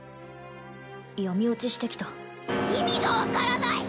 闇堕ちしてきた意味が分からない！